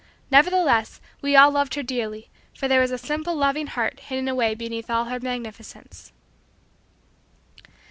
Nevertheless, we all loved her dearly, for there was a simple loving heart hidden away beneath all her magnificence.